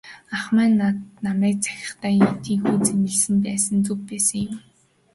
Ах маань ч намайг захиандаа тийнхүү зэмлэсэн байсан нь зөв байсан юм.